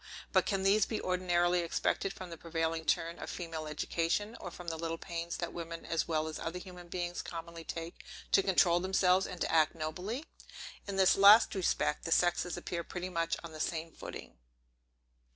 But can these be ordinarily expected from the prevailing turn of female education; or from the little pains that women, as well as other human beings, commonly take to control themselves, and to act nobly? In this last respect, the sexes appear pretty much on the same footing.